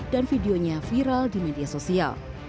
dan videonya viral di media sosial